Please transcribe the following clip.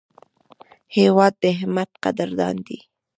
هېواد د همت قدردان دی.